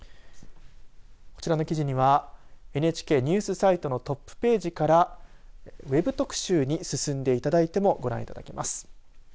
こちらの記事にはＮＨＫニュースサイトのトップページからＷＥＢ特集に進んでいただいてもご覧いただけます。